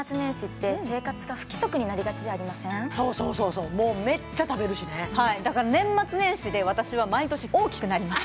そうそうそうそうはいだから年末年始で私は毎年大きくなります